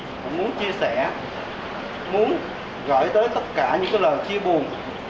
cũng muốn chia sẻ muốn gửi tới tất cả những lời chia buồn